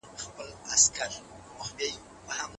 وو او تر نن ورځي دوام لري. د بېلګي په توګه: